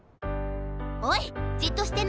おいじっとしてな！